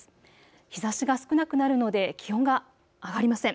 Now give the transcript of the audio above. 日ざしが少なくなるので気温が上がりません。